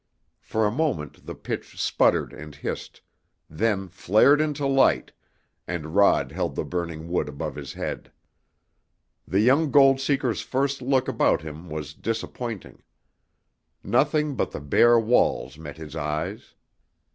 For a moment the pitch sputtered and hissed, then flared into light, and Rod held the burning wood above his head. The young gold seeker's first look about him was disappointing. Nothing but the bare walls met his eyes.